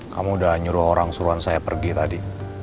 kamu udah nyuruh orang suruhan saya pergi tadi